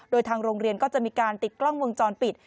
โดยทางโรงเรียนก็จะมีการติดกล้องวงจรปิด